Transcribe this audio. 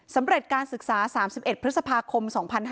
สำเร็จการศึกษา๓๑พฤษภาคม๒๕๕๙